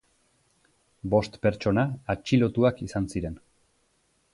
Bost pertsona atxilotuak izan ziren.